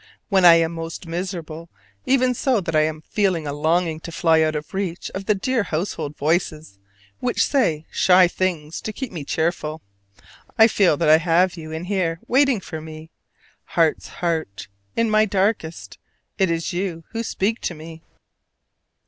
When I am most miserable, even so that I feel a longing to fly out of reach of the dear household voices which say shy things to keep me cheerful, I feel that I have you in here waiting for me. Heart's heart, in my darkest, it is you who speak to me!